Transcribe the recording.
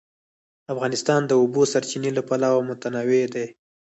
افغانستان د د اوبو سرچینې له پلوه متنوع دی.